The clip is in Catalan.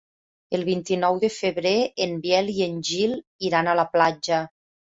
El vint-i-nou de febrer en Biel i en Gil iran a la platja.